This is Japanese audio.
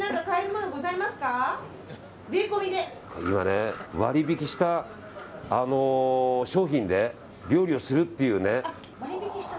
今ね、割引した商品で料理をするっていうね。